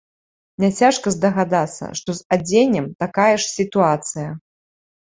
Няцяжка здагадацца, што з адзеннем такая ж сітуацыя.